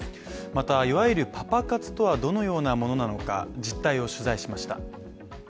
またいわゆるパパ活とはどのようなものなのか実態を取材しました。